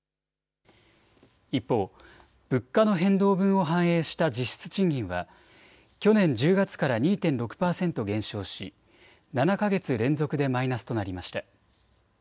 一方、物価の変動分を反映した実質賃金は去年１０月から２．６％減少し７か月連続でマイナスとなりました。